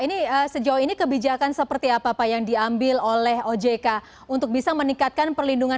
ini sejauh ini kebijakan seperti apa pak yang diambil oleh ojk untuk bisa meningkatkan perlindungan